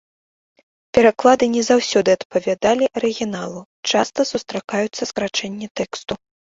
Пераклады не заўсёды адпавядалі арыгіналу, часта сустракаюцца скарачэнні тэксту.